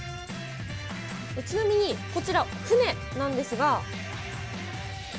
ちなみに、こちら船なんですが。